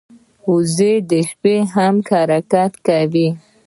وزې د شپې هم حرکت کوي